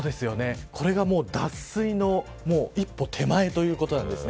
これが脱水の一歩手前ということなんです。